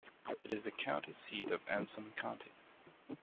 It is the county seat of Anson County.